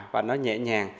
và nó nhẹ nhàng